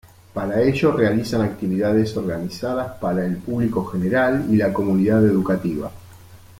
Para ello realizan actividades organizadas para el público general y la comunidad educativa.